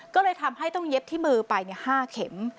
ก็เลยทำให้ต้องเย็บที่มือไป๕เข็ม